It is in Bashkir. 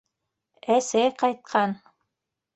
Әсәй ҡайтҡан!